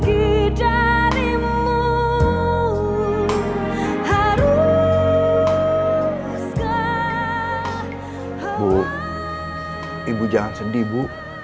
ibu ibu jangan sedih bu